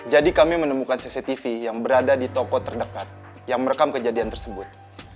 jadi kami menemukan cctv yang berada di toko terdekat yang merekam kejadian tersebut